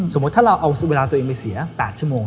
สมมุติถ้าเราเอาเวลาตัวเองไปเสีย๘ชั่วโมง